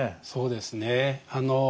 そうですね。